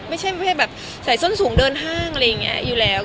ไม่ใช่แบบใส่ส้นสูงเดินห้างอยู่แล้ว